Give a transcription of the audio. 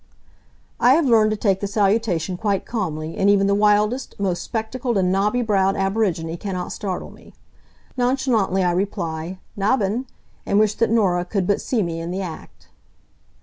I have learned to take the salutation quite calmly, and even the wildest, most spectacled and knobby browed aborigine cannot startle me. Nonchalantly I reply, "Nabben'," and wish that Norah could but see me in the act.